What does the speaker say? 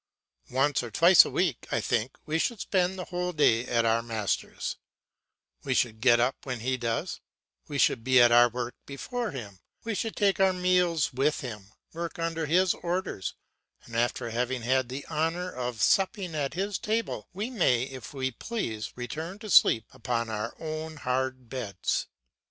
Once or twice a week I think we should spend the whole day at our master's; we should get up when he does, we should be at our work before him, we should take our meals with him, work under his orders, and after having had the honour of supping at his table we may if we please return to sleep upon our own hard beds.